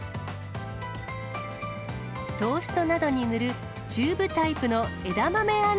トーストなどに塗るチューブタイプの枝豆あん